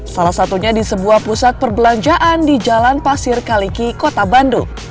salah satunya di sebuah pusat perbelanjaan di jalan pasir kaliki kota bandung